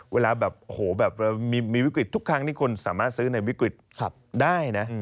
เวลาแบบโอ้โหแบบเรามีวิกฤตทุกครั้งที่คนสามารถซื้อในวิกฤตได้นะ